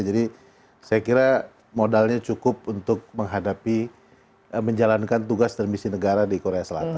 saya kira modalnya cukup untuk menghadapi menjalankan tugas dan misi negara di korea selatan